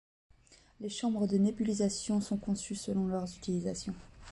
Les chambres de nébulisations sont conçues selon leurs utilisations.